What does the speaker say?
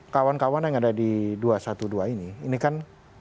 kawan kawan yang ada di dua ratus dua belas ini ini kan